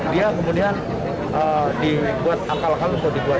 dia kemudian dibuat akal akal